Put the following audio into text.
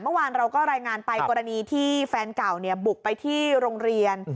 เมื่อวานเราก็รายงานไปกรณีที่แฟนเก่าบุกไปที่โรงเรียน